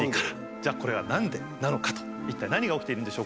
じゃあこれは何でなのかと。一体何が起きているんでしょうか？